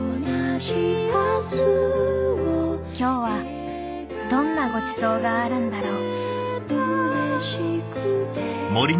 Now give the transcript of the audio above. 今日はどんなごちそうがあるんだろう